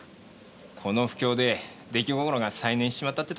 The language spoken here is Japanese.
この不況で出来心が再燃しちまったってとこか？